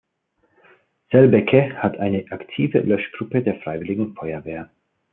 Selbecke hat eine aktive Löschgruppe der Freiwilligen Feuerwehr.